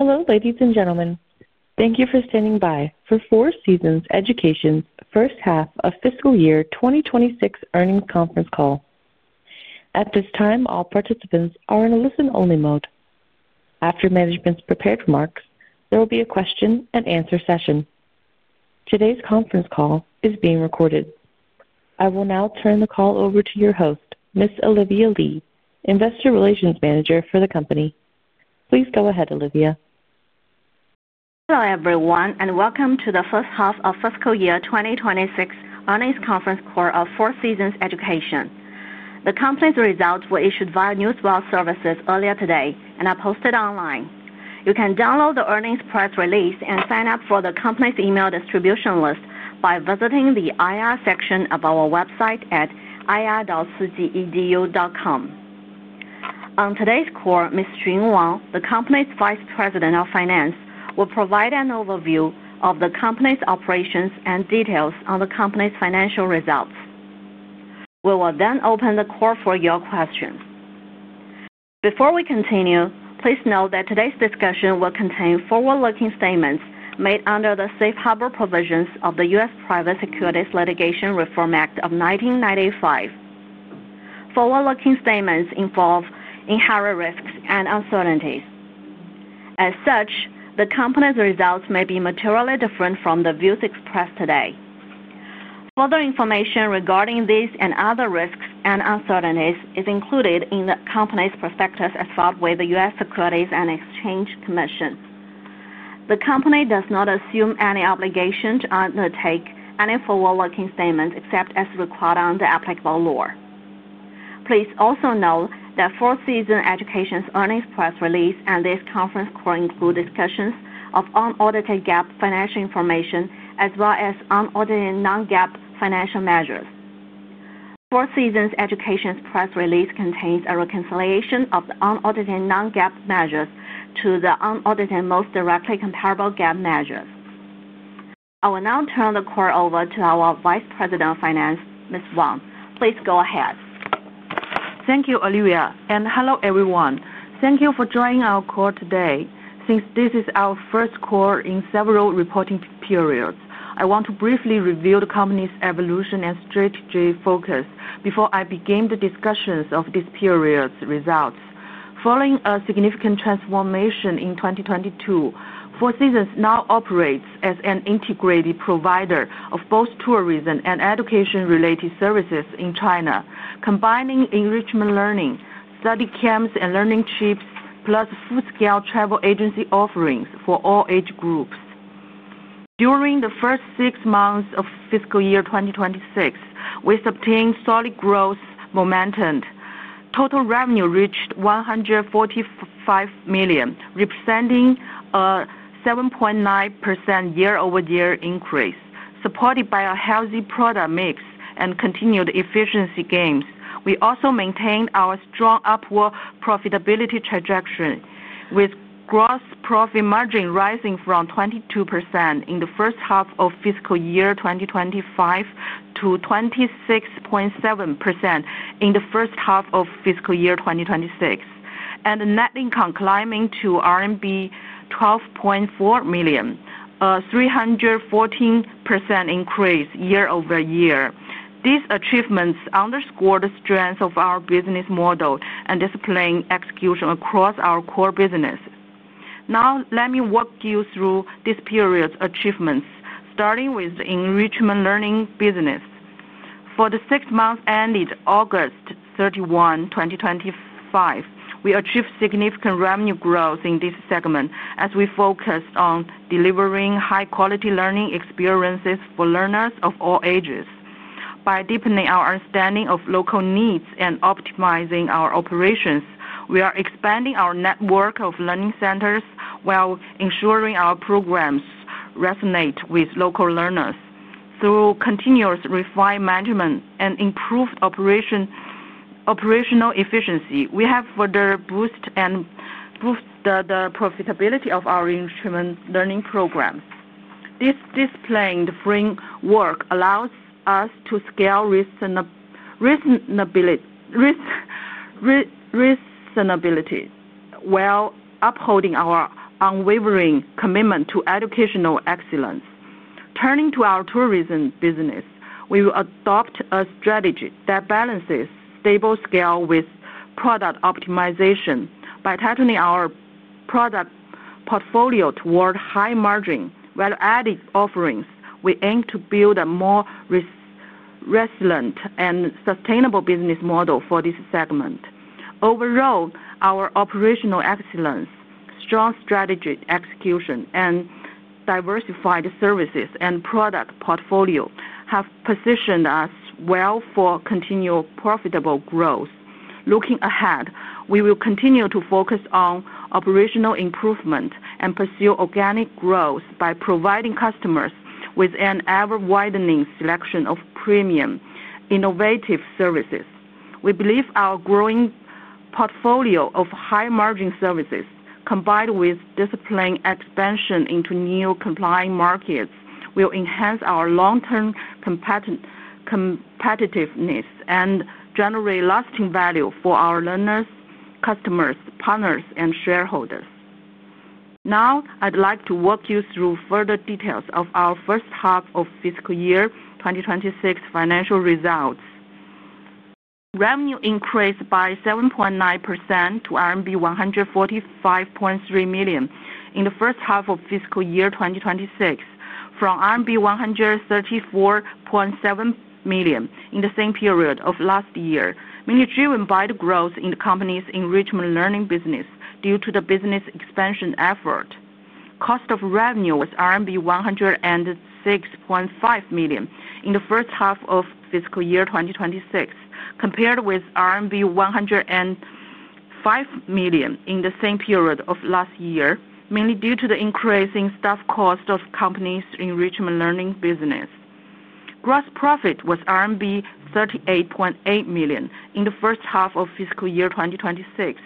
Hello, ladies and gentlemen. Thank you for standing by for Four Seasons Education's First Half of Fiscal Year 2026 earnings conference call. At this time, all participants are in a listen-only mode. After management's prepared remarks, there will be a question-and-answer session. Today's conference call is being recorded. I will now turn the call over to your host, Ms. Olivia Lee, Investor Relations Manager for the company. Please go ahead, Olivia. Hello, everyone, and welcome to the First Half of Fiscal Year 2026 earnings conference call of Four Seasons Education. The company's results were issued via Newsfile services earlier today and are posted online. You can download the earnings press release and sign up for the company's email distribution list by visiting the IR section of our website at ir.cgedu.com. On today's call, Ms. Xun Wang, the company's Vice President of Finance, will provide an overview of the company's operations and details on the company's financial results. We will then open the call for your questions. Before we continue, please note that today's discussion will contain forward-looking statements made under the Safe Harbor Provisions of the U.S. Private Securities Litigation Reform Act of 1995. Forward-looking statements involve inherent risks and uncertainties. As such, the company's results may be materially different from the views expressed today. Further information regarding these and other risks and uncertainties is included in the company's prospectus as filed with the U.S. Securities and Exchange Commission. The company does not assume any obligation to undertake any forward-looking statements except as required under applicable law. Please also note that Four Seasons Education's earnings press release and this conference call include discussions of unaudited GAAP financial information as well as unaudited non-GAAP financial measures. Four Seasons Education's press release contains a reconciliation of the unaudited non-GAAP measures to the unaudited most directly comparable GAAP measures. I will now turn the call over to our Vice President of Finance, Ms. Wang. Please go ahead. Thank you, Olivia, and hello, everyone. Thank you for joining our call today. Since this is our first call in several reporting periods, I want to briefly review the company's evolution and strategy focus before I begin the discussions of this period's results. Following a significant transformation in 2022, Four Seasons Education now operates as an integrated provider of both tourism and education-related services in China, combining enrichment learning, study camps, and learning trips, plus full-scale travel agency offerings for all age groups. During the first six months of fiscal year 2026, we sustained solid growth momentum. Total revenue reached 145 million, representing a 7.9% year-over-year increase, supported by a healthy product mix and continued efficiency gains. We also maintained our strong upward profitability trajectory, with gross profit margin rising from 22% in the first half of fiscal year 2025 to 26.7% in the first half of fiscal year 2026, and net income climbing to RMB 12.4 million, a 314% increase year-over-year. These achievements underscore the strength of our business model and discipline execution across our core business. Now, let me walk you through this period's achievements, starting with the enrichment learning business. For the six months ended August 31, 2025, we achieved significant revenue growth in this segment as we focused on delivering high-quality learning experiences for learners of all ages. By deepening our understanding of local needs and optimizing our operations, we are expanding our network of learning centers while ensuring our programs resonate with local learners. Through continuous refined management and improved operational efficiency, we have further boosted the profitability of our enrichment learning programs. This disciplined framework allows us to scale reasonably while upholding our unwavering commitment to educational excellence. Turning to our tourism business, we will adopt a strategy that balances stable scale with product optimization by tightening our product portfolio toward high margin. While adding offerings, we aim to build a more resilient and sustainable business model for this segment. Overall, our operational excellence, strong strategy execution, and diversified services and product portfolio have positioned us well for continual profitable growth. Looking ahead, we will continue to focus on operational improvement and pursue organic growth by providing customers with an ever-widening selection of premium innovative services. We believe our growing portfolio of high-margin services, combined with disciplined expansion into new compliant markets, will enhance our long-term competitiveness and generate lasting value for our learners, customers, partners, and shareholders. Now, I'd like to walk you through further details of our first half of fiscal year 2026 financial results. Revenue increased by 7.9% to RMB 145.3 million in the first half of fiscal year 2026 from RMB 134.7 million in the same period of last year, mainly driven by the growth in the company's enrichment learning business due to the business expansion effort. Cost of revenue was RMB 106.5 million in the first half of fiscal year 2026, compared with RMB 105 million in the same period of last year, mainly due to the increase in staff cost of the company's enrichment learning business. Gross profit was RMB 38.8 million in the first half of fiscal year 2026,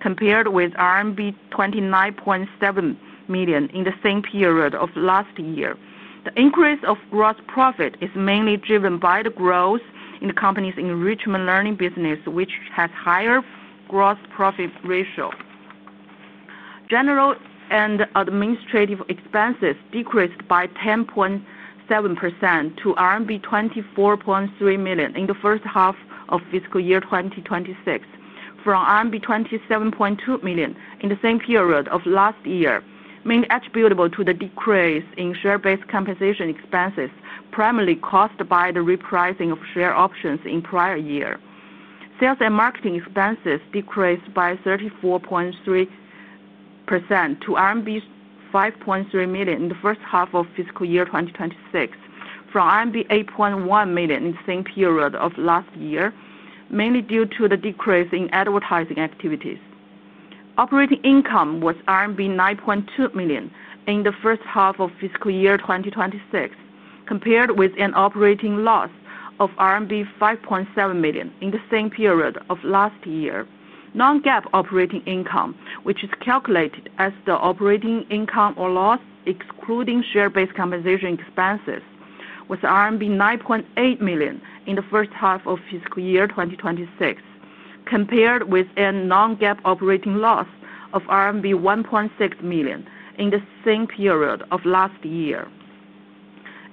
compared with RMB 29.7 million in the same period of last year. The increase of gross profit is mainly driven by the growth in the company's enrichment learning business, which has a higher gross profit ratio. General and administrative expenses decreased by 10.7% to RMB 24.3 million in the first half of fiscal year 2026 from RMB 27.2 million in the same period of last year, mainly attributable to the decrease in share-based compensation expenses primarily caused by the repricing of share options in the prior year. Sales and marketing expenses decreased by 34.3% to RMB 5.3 million in the first half of fiscal year 2026 from RMB 8.1 million in the same period of last year, mainly due to the decrease in advertising activities. Operating income was RMB 9.2 million in the first half of fiscal year 2026, compared with an operating loss of RMB 5.7 million in the same period of last year. Non-GAAP operating income, which is calculated as the operating income or loss excluding share-based compensation expenses, was RMB 9.8 million in the first half of fiscal year 2026, compared with a non-GAAP operating loss of RMB 1.6 million in the same period of last year.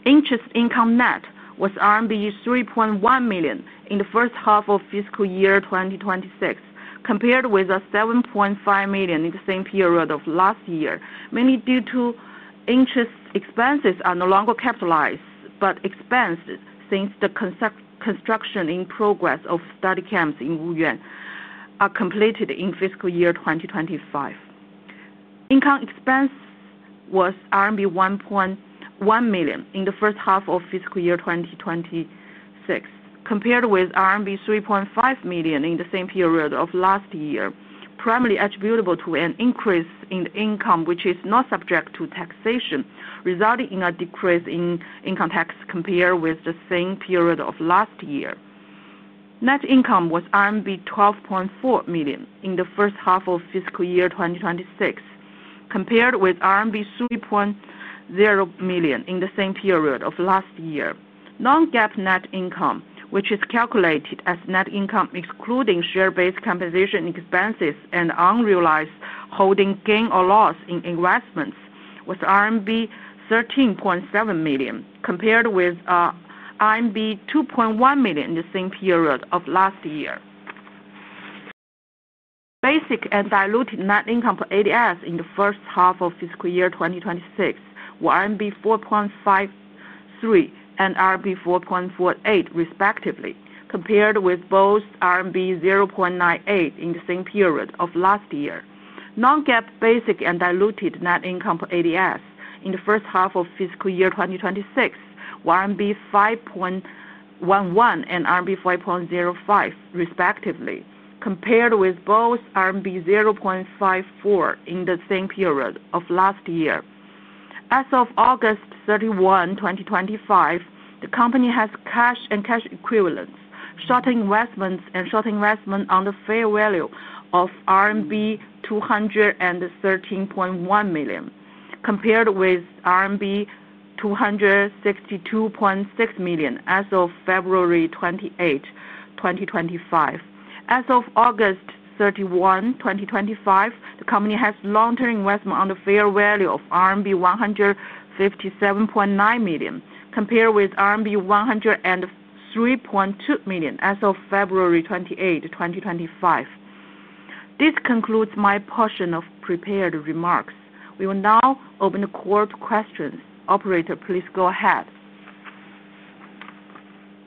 Interest income net was RMB 3.1 million in the first half of fiscal year 2026, compared with 7.5 million in the same period of last year, mainly due to interest. Expenses are no longer capitalized but expensed since the construction in progress of study camps in Wuyuan are completed in fiscal year 2025. Income expense was RMB 1.1 million in the first half of fiscal year 2026, compared with RMB 3.5 million in the same period of last year, primarily attributable to an increase in income which is not subject to taxation, resulting in a decrease in income tax compared with the same period of last year. Net income was RMB 12.4 million in the first half of fiscal year 2026, compared with RMB 3.0 million in the same period of last year. Non-GAAP net income, which is calculated as net income excluding share-based compensation expenses and unrealized holding gain or loss in investments, was RMB 13.7 million, compared with RMB 2.1 million in the same period of last year. Basic and diluted net income per ADS in the first half of fiscal year 2026 were RMB 4.53 and RMB 4.48, respectively, compared with both RMB 0.98 in the same period of last year. Non-GAAP basic and diluted net income per ADS in the first half of fiscal year 2026 were RMB 5.11 and RMB 5.05, respectively, compared with both RMB 0.54 in the same period of last year. As of August 31, 2025, the company has cash and cash equivalents, short-term investments, and short-term investment under fair value of RMB 213.1 million, compared with RMB 262.6 million as of February 28, 2025. As of August 31, 2025, the company has long-term investment under fair value of RMB 157.9 million, compared with RMB 103.2 million as of February 28, 2025. This concludes my portion of prepared remarks. We will now open the call to questions. Operator, please go ahead.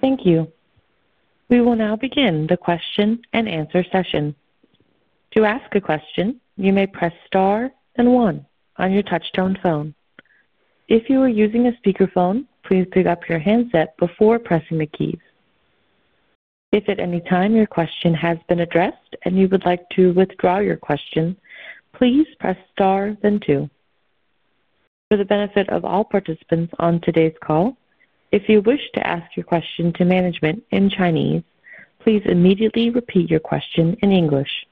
Thank you. We will now begin the question and answer session. To ask a question, you may press star and one on your touch-tone phone. If you are using a speakerphone, please pick up your handset before pressing the keys. If at any time your question has been addressed and you would like to withdraw your question, please press star then two. For the benefit of all participants on today's call, if you wish to ask your question to management in Chinese, please immediately repeat your question in English.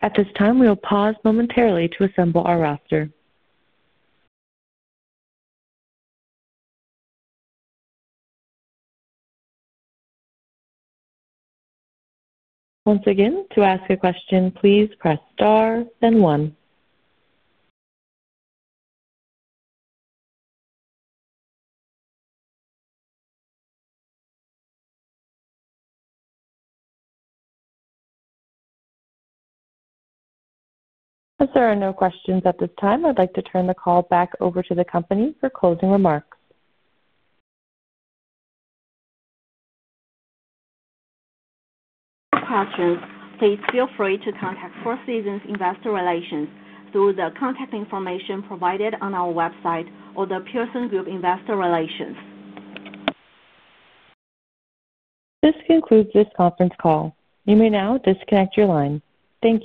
At this time, we will pause momentarily to assemble our roster. Once again, to ask a question, please press star then one. As there are no questions at this time, I'd like to turn the call back over to the company for closing remarks. Gotcha, please feel free to contact Four Seasons Education Investor Relations through the contact information provided on our website or The Pearsons Group Investor Relations. This concludes this conference call. You may now disconnect your line. Thank you.